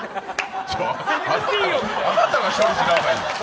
あなたが処理しなさいよ。